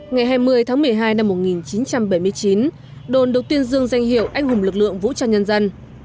ngày hai mươi tháng một mươi hai năm một nghìn chín trăm bảy mươi chín đồn được tuyên dương danh hiệu anh hùng lực lượng vũ trang nhân dân